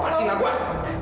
awasin aku ah